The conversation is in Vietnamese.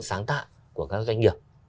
sáng tạo của các doanh nghiệp